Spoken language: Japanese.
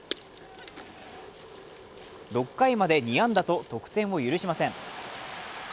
６回まで２安打と得点を許しません。